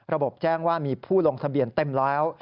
แจ้งว่ามีผู้ลงทะเบียนเต็มแล้ว